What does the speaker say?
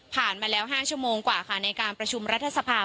มาแล้ว๕ชั่วโมงกว่าค่ะในการประชุมรัฐสภา